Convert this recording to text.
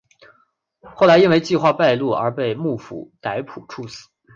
后来因为计划败露而被幕府逮捕处死。